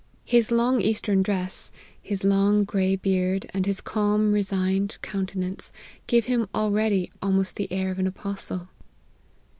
His long eastern dress, his long grey beard, and his calm, resigned countenance, give him al ready almost the air of an apostle."